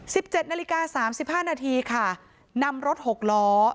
สิบเจ็ดนาฬิกาสามสิบห้านาทีค่ะนำรถหกล้อ